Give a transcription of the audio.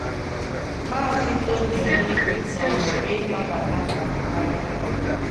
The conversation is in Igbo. Maazị Tony Oli nọrọ wee nabata ma dugharịa ya.